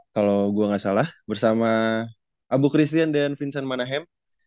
kalau gue gak salah bersama abu christian dan vincent manahem